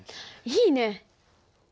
いいね！